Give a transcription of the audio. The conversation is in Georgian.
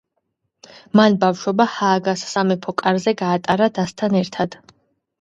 მან ბავშვობა ჰააგას სამეფო კარზე გაატარა დასთან ერთად.